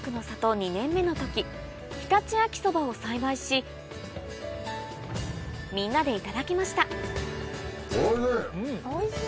２年目の時常陸秋ソバを栽培しみんなでいただきましたおいしい！